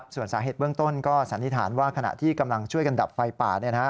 ส่วนสาเหตุเบื้องต้นก็สันนิษฐานว่าขณะที่กำลังช่วยกันดับไฟป่า